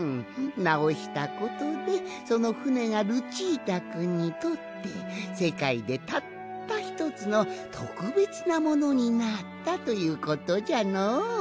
なおしたことでそのふねがルチータくんにとってせかいでたったひとつのとくべつなものになったということじゃのう。